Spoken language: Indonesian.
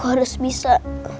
aku harus bisa